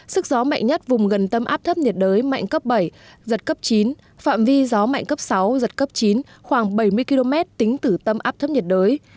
sức gió mạnh nhất vùng gần tâm áp thấp nhiệt đới mạnh cấp bảy giật cấp chín phạm vi gió mạnh cấp sáu giật cấp chín khoảng bảy mươi km tính từ tâm áp thấp nhiệt đới